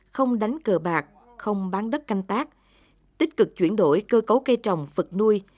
không đánh cờ bạc không bán đất canh tác tích cực chuyển đổi cơ cấu cây trồng vật nuôi